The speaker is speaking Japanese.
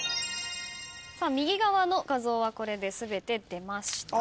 右側の画像はこれで全て出ました。